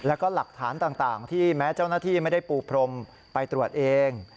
แล้วก็หลักฐานต่างที่แม้เจ้าหน้าที่ไม่ได้ปูพรมไปตรวจเอง